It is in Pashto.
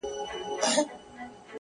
يو ليك”